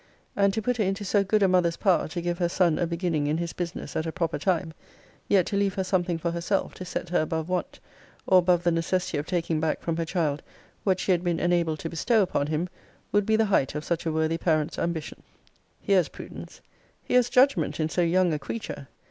And to put it into so good a mother's power to give her son a beginning in his business at a proper time; yet to leave her something for herself, to set her above want, or above the necessity of taking back from her child what she had been enabled to bestow upon him; would be the height of such a worthy parent's ambition. Here's prudence! Here's judgment in so young a creature!